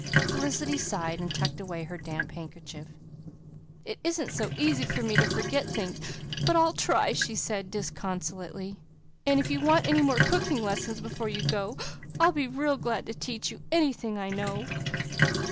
Felicity sighed, and tucked away her damp handkerchief. "It isn't so easy for me to forget things, but I'll try," she said disconsolately, "and if you want any more cooking lessons before you go I'll be real glad to teach you anything I know."